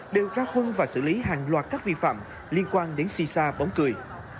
đều ra quân và xử lý hàng loạt các vi phạm liên quan đến si sa bóng cười